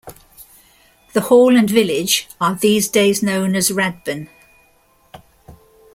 The hall and village are these days known as Radbourne.